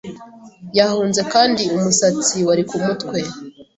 yahunze Kandi umusatsi wari kumutwe